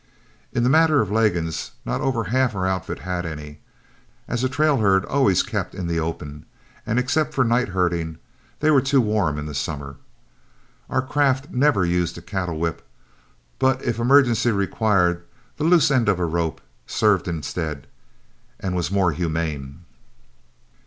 In the matter of leggings, not over half our outfit had any, as a trail herd always kept in the open, and except for night herding they were too warm in summer. Our craft never used a cattle whip, but if emergency required, the loose end of a rope served instead, and was more humane.